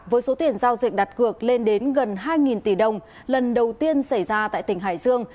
với số tiền giao dịch đặt cược lên đến gần hai tỷ đồng lần đầu tiên xảy ra tại tỉnh hải dương